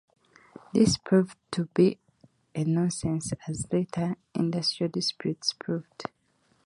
This proved to be a nonsense as later industrial disputes proved.